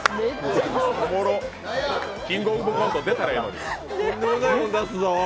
おもろ、「キングオブコント」出たらええのに。